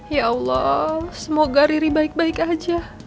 ya allah semoga riri baik baik aja